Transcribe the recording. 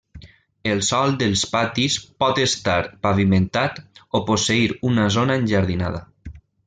El sòl dels patis pot estar pavimentat, o posseir una zona enjardinada.